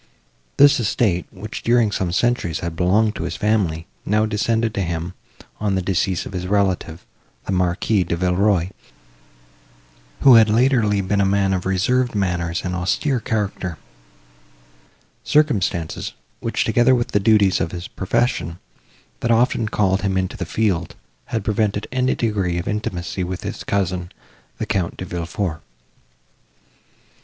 This estate, which, during some centuries, had belonged to his family, now descended to him, on the decease of his relative, the Marquis De Villeroi, who had been latterly a man of reserved manners and austere character; circumstances, which, together with the duties of his profession, that often called him into the field, had prevented any degree of intimacy with his cousin, the Count De Villefort.